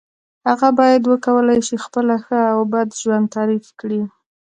هغه باید وکولای شي خپله ښه او بد ژوند تعریف کړی.